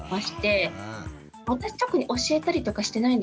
私特に教えたりとかしてないんですけど。